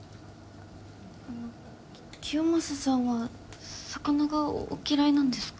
あの清正さんは魚がお嫌いなんですか？